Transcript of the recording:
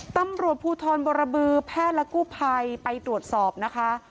ตำรวจภูทรบรบือแพทย์และกู้ภัยไปตรวจสอบนะคะ